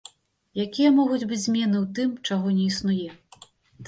Якія могуць быць змены ў тым, чаго не існуе?